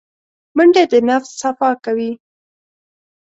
منډه د نفس صفا کوي